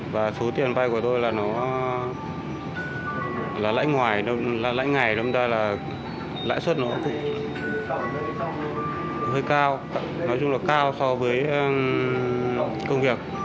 và số tiền vai của tôi là lãi ngoài lãi ngày lãi suất nó cũng hơi cao nói chung là cao so với công việc